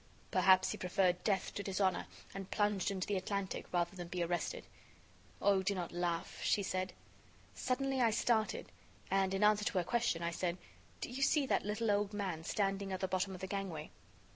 "Perhaps he preferred death to dishonor, and plunged into the Atlantic rather than be arrested." "Oh, do not laugh," she said. Suddenly I started, and, in answer to her question, I said: "Do you see that little old man standing at the bottom of the gangway?"